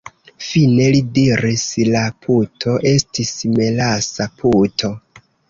Fine li diris: "La puto estis melasa puto."